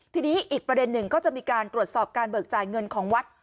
ทีนี้อีกประเด็นหนึ่งก็จะมีการตรวจสอบการเบิกจ่ายเงินของวัด